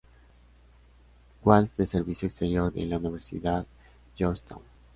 Walsh de Servicio Exterior de la Universidad Georgetown.